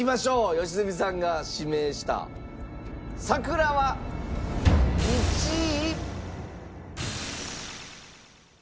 良純さんが指名した『さくら』は１位。